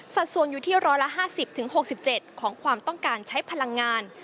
สัดส่วนอยู่ที่๑๕๐๖๗ของความต้องการใช้พลังงาน